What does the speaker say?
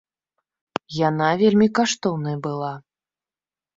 Яна вельмі каштоўнай была.